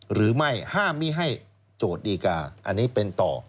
หรือไม่ห้ามไม่ให้โจทย์ดีการ์อันนี้เป็นต่อ